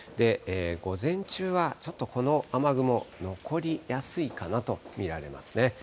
午前中はちょっと、この雨雲残りやすいかなと見られますね。